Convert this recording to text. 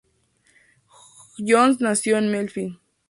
Jones nació en Memphis.